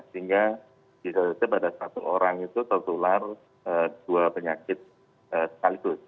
sehingga bisa saja pada satu orang itu tertular dua penyakit sekaligus